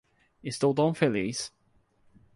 Estou tão feliz